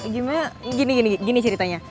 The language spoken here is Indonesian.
gimana gini ceritanya